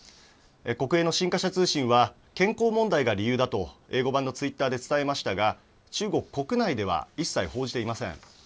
国営の新華社通信は、健康問題が理由だと英語版のツイッターで伝えましたが、中国国内では、一切報じていません。